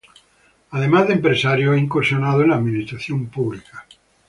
Además de empresario, ha incursionado en la administración pública.